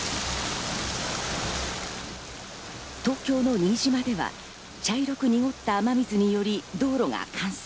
東京の新島では茶色く濁った雨水により道路が冠水。